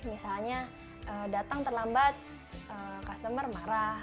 misalnya datang terlambat customer marah